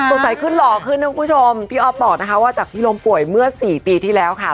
สดใสขึ้นหล่อขึ้นนะคุณผู้ชมพี่อ๊อฟบอกนะคะว่าจากพี่ล้มป่วยเมื่อสี่ปีที่แล้วค่ะ